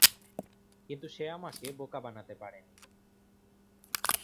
কিন্তু সে আমাকে বোকা বানাতে পারেনি।